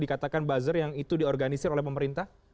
di media sosial dikatakan buzzer yang itu diorganisir oleh pemerintah